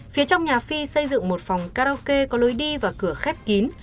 phía trong nhà phi xây dựng một phòng karaoke có lối đi và cửa khép kín